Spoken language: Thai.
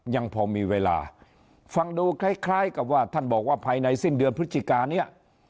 ยังพอมีเวลาฟังดูคล้ายคล้ายกับว่าท่านบอกว่าภายในสิ้นเดือนพฤศจิกาเนี่ย